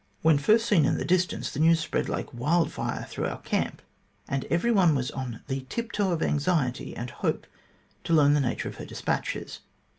When first seen in the distance, the news spread like wild fire through our camp, and every one was on the tiptoe of anxiety and hope to learn the nature of her despatches.